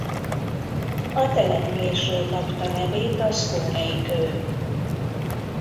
A településről kapta nevét a scone-i kő.